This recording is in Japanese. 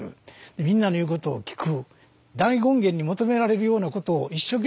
みんなの言うことを聞く。